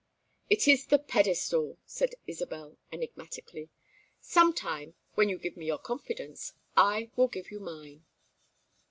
"It is the pedestal," said Isabel, enigmatically. "Sometime, when you give me your confidence, I will give you mine."